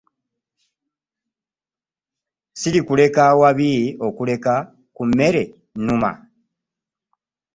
Sirikuleka wabi akuleka ku mmere nnuma .